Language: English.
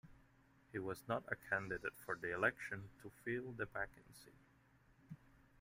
He was not a candidate for the election to fill the vacancy.